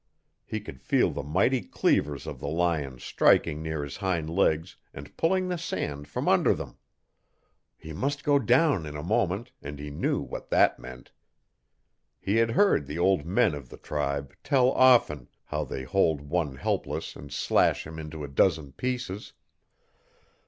He could feel the mighty cleavers of the lion striking near his hind legs and pulling the sand from under them. He must go down in a moment and he knew what that meant. He had heard the old men of the tribe tell often how they hold one helpless and slash him into a dozen pieces.